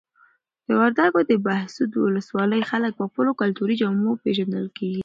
د وردګو د بهسود ولسوالۍ خلک په خپلو کلتوري جامو پیژندل کیږي.